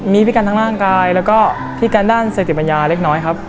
มีพิการทางร่างกายแล้วก็พิการด้านสติปัญญาเล็กน้อยครับ